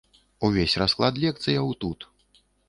Увесь расклад лекцыяў тут.